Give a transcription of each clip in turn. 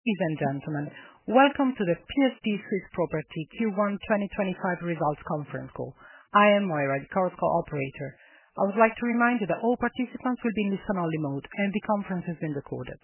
Ladies and gentlemen, welcome to the PSP Swiss Property Q1 2025 results conference call. I am Moira, the Chorus Call operator. I would like to remind you that all participants will be in listen-only mode, and the conference is being recorded.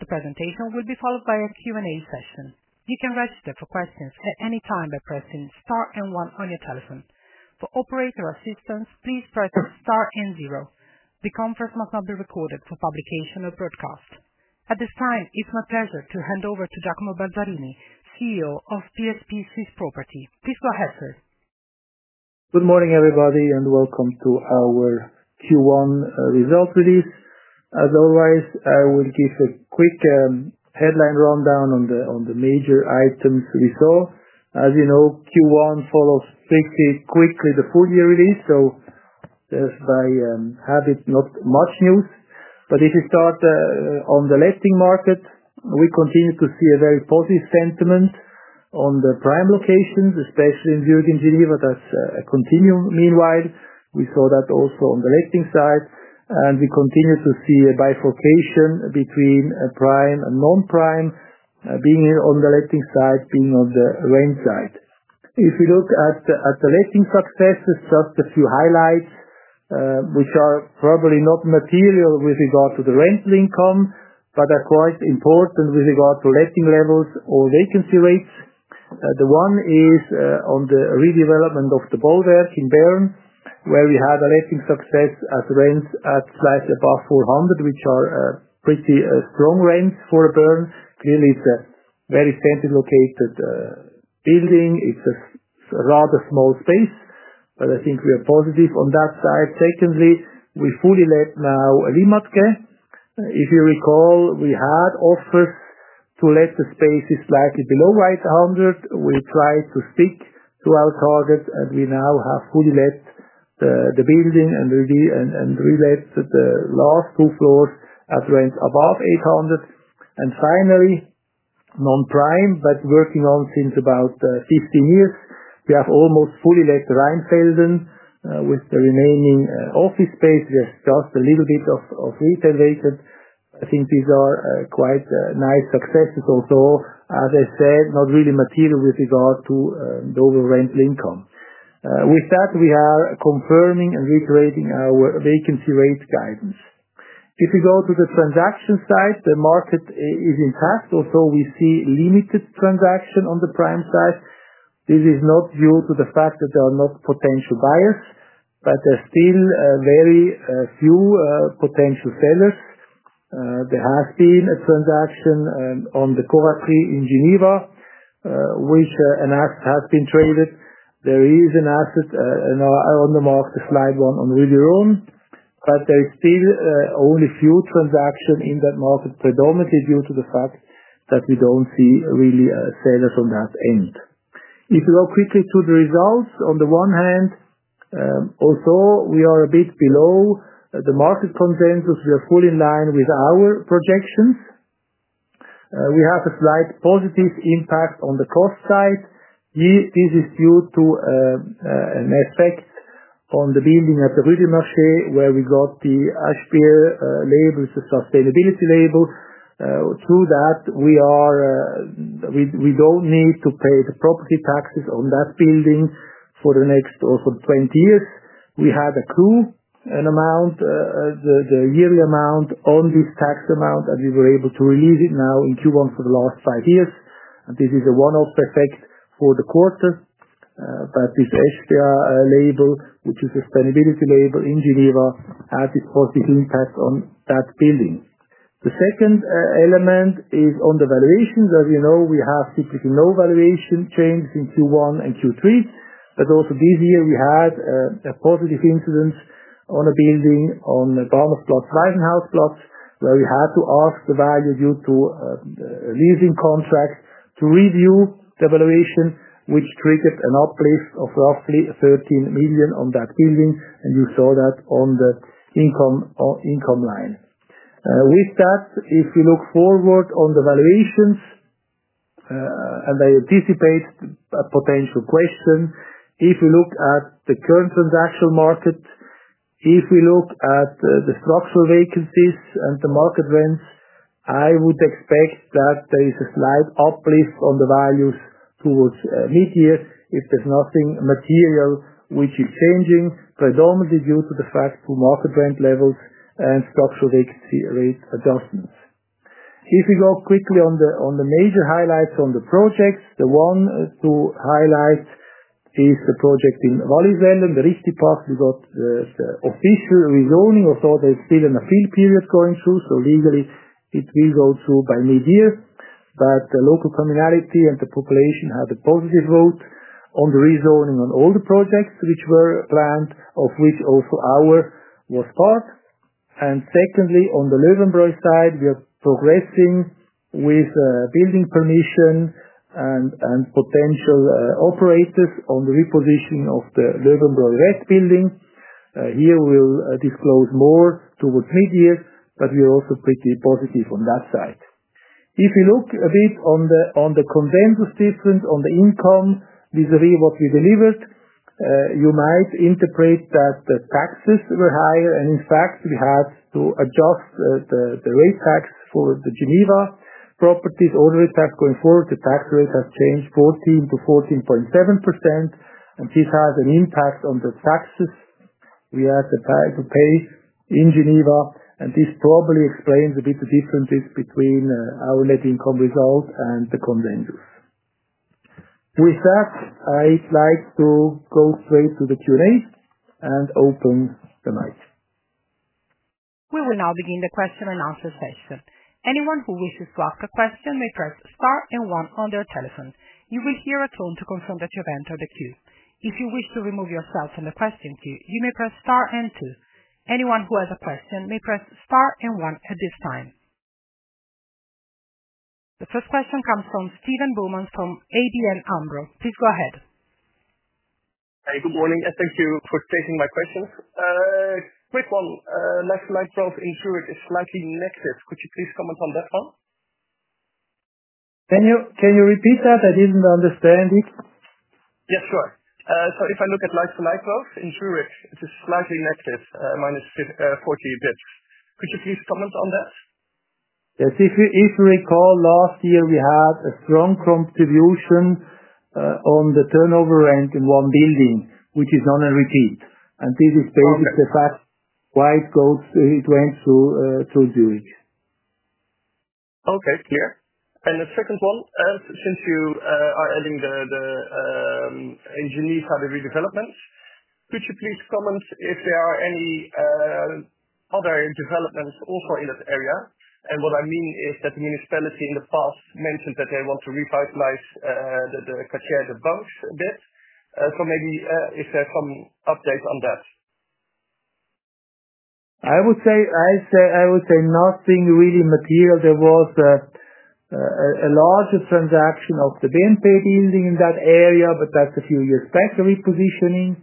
The presentation will be followed by a Q&A session. You can register for questions at any time by pressing Star and one on your telephone. For operator assistance, please press Star and zero. The conference must not be recorded for publication or broadcast. At this time, it's my pleasure to hand over to Giacomo Balzarini, CEO of PSP Swiss Property. Please go ahead, sir. Good morning, everybody, and welcome to our Q1 results release. As always, I will give a quick headline rundown on the major items we saw. As you know, Q1 follows pretty quickly the full-year release, so there is, by habit, not much news. If you start on the letting market, we continue to see a very positive sentiment on the prime locations, especially in Zurich and Geneva. That is a continuum. Meanwhile, we saw that also on the letting side, and we continue to see a bifurcation between prime and non-prime, being on the letting side, being on the rent side. If you look at the letting successes, just a few highlights, which are probably not material with regard to the rental income, but are quite important with regard to letting levels or vacancy rates. The one is on the redevelopment of the Bauwerk in Bern, where we had a letting success at rents slightly above 400, which are pretty strong rents for Bern. Clearly, it is a very centrally located building. It is a rather small space, but I think we are positive on that side. Secondly, we fully let now a Limmatke. If you recall, we had offers to let the spaces slightly below 800. We tried to stick to our target, and we now have fully let the building and relit the last two floors at rents above 800. Finally, non-prime, but working on since about 15 years, we have almost fully let the Rheinfelden with the remaining office space. There is just a little bit of retail vacant. I think these are quite nice successes. Although, as I said, not really material with regard to the overall rental income. With that, we are confirming and reiterating our vacancy rate guidance. If you go to the transaction side, the market is intact. Also, we see limited transaction on the prime side. This is not due to the fact that there are not potential buyers, but there's still very few potential sellers. There has been a transaction on the Carré des Banques in Geneva, which an asset has been traded. There is an asset on the market, a slight one on Rue du Rhône, but there is still only a few transactions in that market, predominantly due to the fact that we don't see really sellers on that end. If you go quickly to the results, on the one hand, although we are a bit below the market consensus, we are fully in line with our projections. We have a slight positive impact on the cost side. This is due to an effect on the building at the Rue du Marché, where we got the HBR label, the sustainability label. Through that, we do not need to pay the property taxes on that building for the next also 20 years. We had accrued an amount, the yearly amount on this tax amount, and we were able to release it now in Q1 for the last five years. This is a one-off effect for the quarter. This HBR label, which is a sustainability label in Geneva, has its positive impact on that building. The second element is on the valuations. As you know, we have typically no valuation changes in Q1 and Q3, but also this year we had a positive incidence on a building on Bahnhofplatz Weissbadplatz, where we had to ask the valuer due to a leasing contract to review the valuation, which triggered an uplift of roughly 13 million on that building. You saw that on the income line. With that, if you look forward on the valuations, and I anticipate a potential question, if you look at the current transaction market, if we look at the structural vacancies and the market rents, I would expect that there is a slight uplift on the values towards mid-year if there is nothing material which is changing, predominantly due to the fact of market rent levels and structural vacancy rate adjustments. If you go quickly on the major highlights on the projects, the one to highlight is the project in Wallisellen and the Richtpark. We got the official rezoning. Although there's still an appeal period going through, so legally it will go through by mid-year, the local communality and the population had a positive vote on the rezoning on all the projects which were planned, of which also ours was part. Secondly, on the Löwenbräu side, we are progressing with building permission and potential operators on the repositioning of the Löwenbräu West building. Here we will disclose more towards mid-year, but we are also pretty positive on that side. If you look a bit on the consensus difference on the income vis-à-vis what we delivered, you might interpret that the taxes were higher. In fact, we had to adjust the rate tax for the Geneva properties. Orderly tax going forward, the tax rate has changed 14%-14.7%, and this has an impact on the taxes we had to pay in Geneva. This probably explains a bit the differences between our net income result and the consensus. With that, I'd like to go straight to the Q&A and open the mic. We will now begin the question and answer session. Anyone who wishes to ask a question may press star and one on their telephone. You will hear a tone to confirm that you've entered the queue. If you wish to remove yourself from the question queue, you may press star and two. Anyone who has a question may press Star and one at this time. The first question comes from Steven Bowman from ABN Amro. Please go ahead. Hey, good morning. Thank you for taking my question. Quick one. Like-for-like growth in Zurich, it's slightly negative. Could you please comment on that one? Can you repeat that? I didn't understand it. Yes, sure. If I look at like-for-like growth in Zurich, it is slightly negative, minus 40 basis points. Could you please comment on that? Yes. If you recall, last year we had a strong contribution on the turnover rent in one building, which is not a repeat. This is basically the fact why it went through Zurich. Okay, clear. The second one, since you are adding the Geneva redevelopments, could you please comment if there are any other developments also in that area? What I mean is that the municipality in the past mentioned that they want to revitalize the Carré des Banques a bit. Maybe if there's some update on that. I would say nothing really material. There was a larger transaction of the BNP building in that area, but that's a few years back, a repositioning.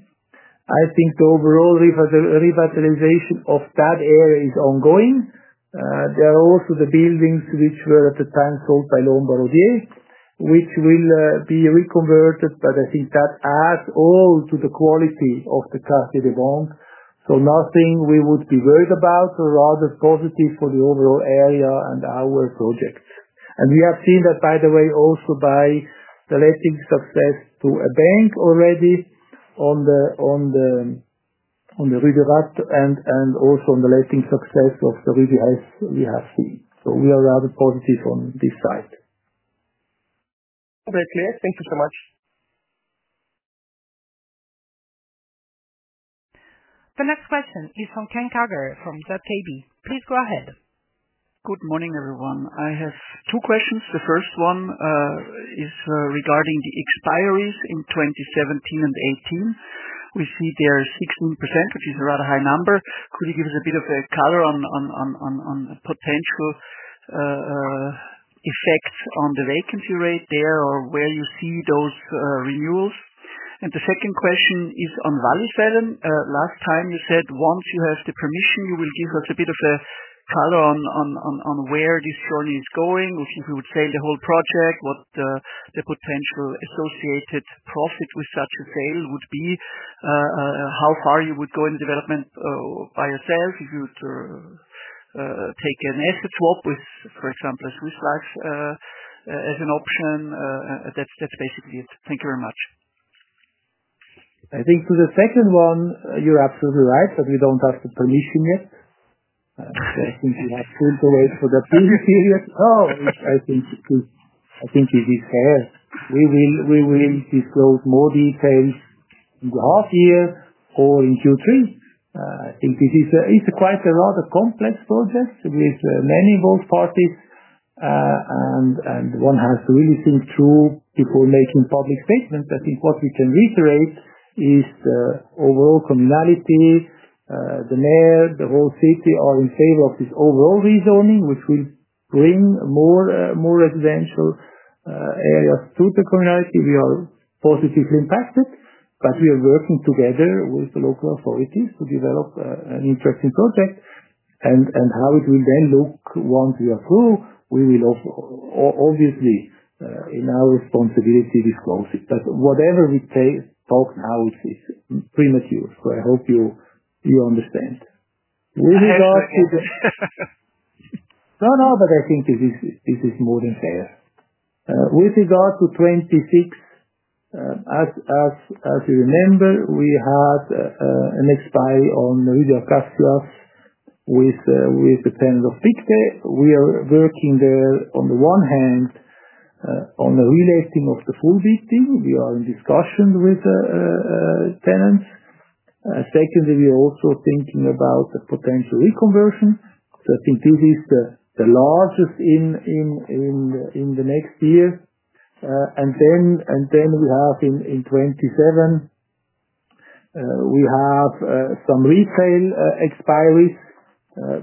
I think the overall revitalization of that area is ongoing. There are also the buildings which were at the time sold by Lombard Odier, which will be reconverted, but I think that adds all to the quality of the Carré des Banques. Nothing we would be worried about, rather positive for the overall area and our project. We have seen that, by the way, also by the letting success to a bank already on the Rue du Rhône and also on the letting success of the Rue de Hesse we have seen. We are rather positive on this side. Very clear. Thank you so much. The next question is from Ken Carter from Zürcher Kantonalbank. Please go ahead. Good morning, everyone. I have two questions. The first one is regarding the expiries in 2017 and 2018. We see there is 16%, which is a rather high number. Could you give us a bit of a color on the potential effects on the vacancy rate there or where you see those renewals? The second question is on Wallisellen. Last time, you said once you have the permission, you will give us a bit of a color on where this journey is going. If you would sell the whole project, what the potential associated profit with such a sale would be, how far you would go in the development by yourself, if you would take an asset swap with, for example, Swiss Life as an option. That is basically it. Thank you very much. I think to the second one, you're absolutely right, but we don't have the permission yet. I think we have to wait for the approval period. Oh, I think it is here. We will disclose more details in the half year or in Q3. I think this is quite a rather complex project with many involved parties, and one has to really think through before making public statements. I think what we can reiterate is the overall communality, the mayor, the whole city are in favor of this overall rezoning, which will bring more residential areas to the communality. We are positively impacted, but we are working together with the local authorities to develop an interesting project and how it will then look once we are through. We will obviously, in our responsibility, disclose it. Whatever we talk now, it's premature. I hope you understand. With regard to the. No, no, but I think this is more than fair. With regard to 2026, as you remember, we had an expiry on Rue de l'Arquebuse with the tenants of Pictet. We are working there, on the one hand, on the reletting of the full building. We are in discussion with tenants. Secondly, we are also thinking about the potential reconversion. I think this is the largest in the next year. In 2027, we have some retail expiries,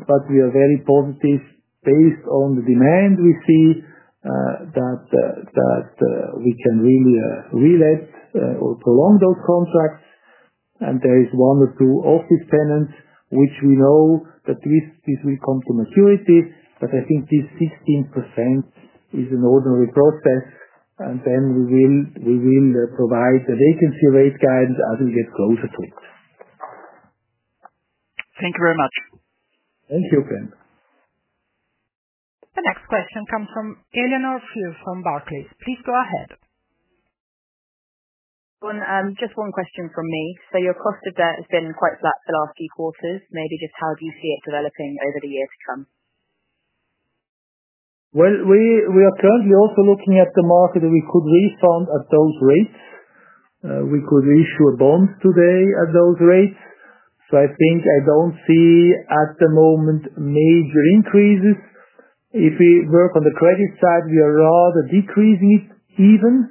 but we are very positive based on the demand we see that we can really relit or prolong those contracts. There is one or two office tenants, which we know that this will come to maturity, but I think this 16% is an ordinary process. We will provide the vacancy rate guidance as we get closer to it. Thank you very much. Thank you, Ken. The next question comes from Eleanor Few from Barclays. Please go ahead. Just one question from me. Your cost of debt has been quite flat for the last few quarters. Maybe just how do you see it developing over the years to come? We are currently also looking at the market that we could refund at those rates. We could issue a bond today at those rates. I think I do not see at the moment major increases. If we work on the credit side, we are rather decreasing it even.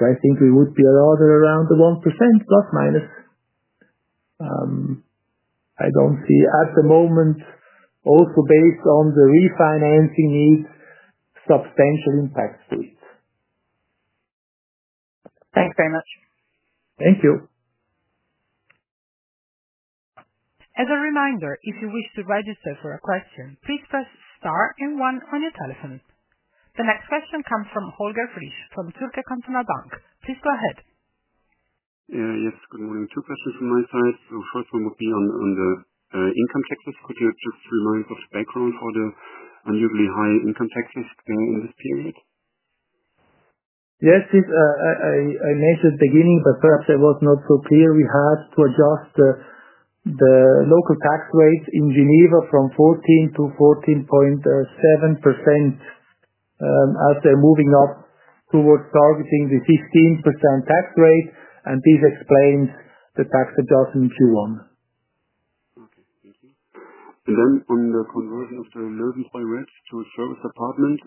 I think we would be rather around the 1%, plus minus. I do not see at the moment, also based on the refinancing needs, substantial impacts to it. Thanks very much. Thank you. As a reminder, if you wish to register for a question, please press Star and 1 on your telephone. The next question comes from Holger Fisch from Zürcher Kantonalbank. Please go ahead. Yes, good morning. Two questions from my side. The first one would be on the income taxes. Could you just remind us of the background for the unusually high income taxes there in this period? Yes, I mentioned at the beginning, but perhaps I was not so clear. We had to adjust the local tax rate in Geneva from 14%-14.7% as they're moving up towards targeting the 15% tax rate. This explains the tax adjustment in Q1. Okay, thank you. On the conversion of the Löwenbräu West to a service apartment,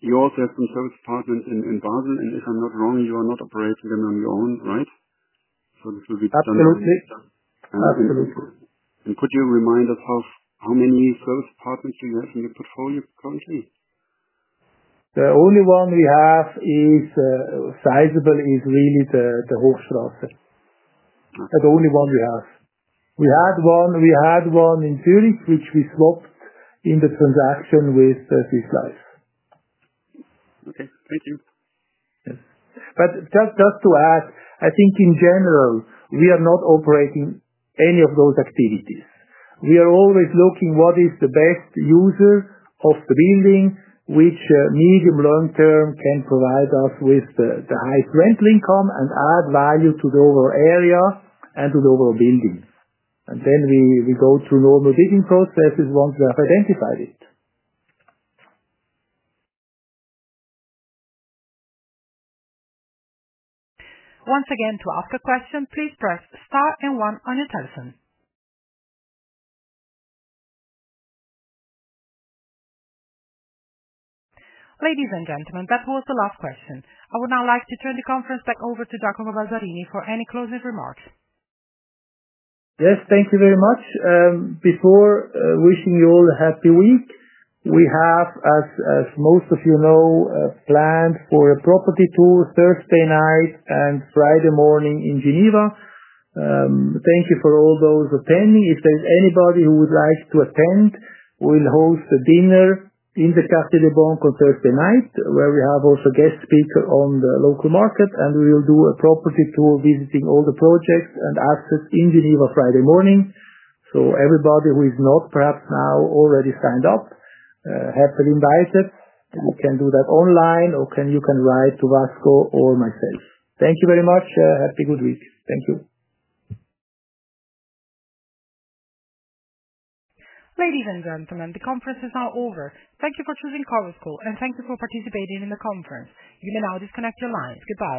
you also have some service apartments in Basel, and if I'm not wrong, you are not operating them on your own, right? This will be done by yourself. Absolutely. Could you remind us how many service apartments do you have in your portfolio currently? The only one we have is sizable is really the Hochstrasse. That's the only one we have. We had one in Zurich, which we swapped in the transaction with Swiss Life. Okay, thank you. Just to add, I think in general, we are not operating any of those activities. We are always looking at what is the best user of the building, which medium-long term can provide us with the highest rental income and add value to the overall area and to the overall building. Then we go through normal bidding processes once we have identified it. Once again, to ask a question, please press star and one on your telephone. Ladies and gentlemen, that was the last question. I would now like to turn the conference back over to Giacomo Balzarini for any closing remarks. Yes, thank you very much. Before wishing you all a happy week, we have, as most of you know, planned for a property tour Thursday night and Friday morning in Geneva. Thank you for all those attending. If there's anybody who would like to attend, we'll host a dinner in the Carré des Banques on Thursday night, where we have also guest speakers on the local market, and we will do a property tour visiting all the projects and assets in Geneva Friday morning. So everybody who is not perhaps now already signed up, happily invited. You can do that online, or you can write to Vasco or myself. Thank you very much. Happy good week. Thank you. Ladies and gentlemen, the conference is now over. Thank you for choosing Chorus Call, and thank you for participating in the conference. You may now disconnect your lines. Goodbye.